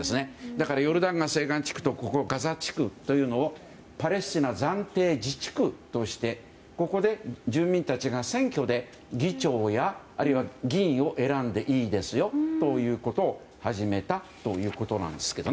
だからヨルダン川西岸地区とガザ地区というのをパレスチナ暫定自治区としてここで住民たちが選挙で議長やあるいは議員を選んでいいですよということを始めたということなんです。